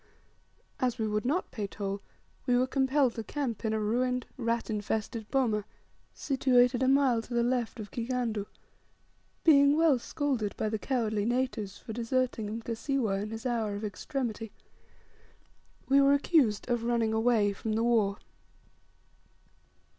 As we would not pay toll, we were compelled to camp in a ruined, rat infested boma, situated a mile to the left of Kigandu, being well scolded by the cowardly natives for deserting Mkasiwa in his hour of extremity. We were accused of running away from the war.